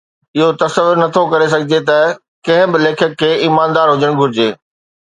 اهو تصور نه ٿو ڪري سگهجي ته ڪنهن به ليکڪ کي ايماندار هجڻ گهرجي